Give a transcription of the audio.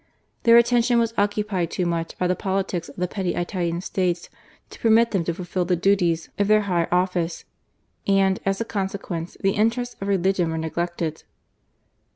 Their attention was occupied too much by the politics of the petty Italian States to permit them to fulfil the duties of their high office; and, as a consequence, the interests of religion were neglected.